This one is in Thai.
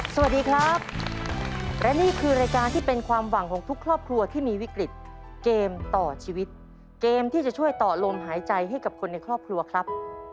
สวัสดีครับและนี่คือรายการที่เป็นความหวังของทุกครอบครัวที่มีวิกฤตเกมต่อชีวิตเกมที่จะช่วยต่อลมหายใจให้กับคนในครอบครัวครับ